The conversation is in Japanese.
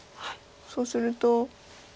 そうすると。